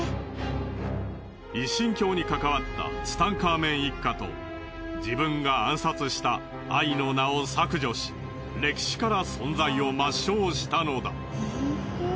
一神教に関わったツタンカーメン一家と自分が暗殺したアイの名を削除し歴史から存在を抹消したのだ。